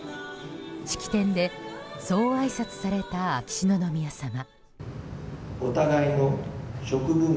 式典で、そうあいさつされた秋篠宮さま。